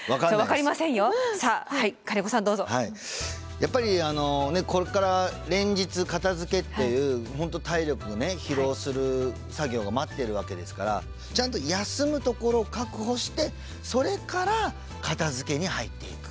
やっぱりここから連日片づけという本当体力ね疲労する作業が待ってるわけですからちゃんと休むところを確保してそれから片づけに入っていく。